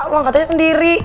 lo angkat aja sendiri